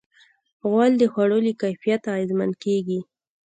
غول د خوړو له کیفیت اغېزمن کېږي.